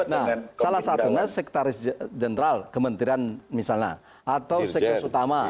nah salah satunya sekretaris jenderal kementerian misalnya atau sekretaris utama